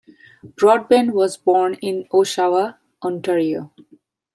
Broadbent was born in Oshawa, Ontario.